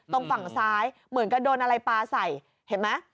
ตรงฝั่งซ้ายเหมือนกับโดนอะไรปลาใส่เห็นไหม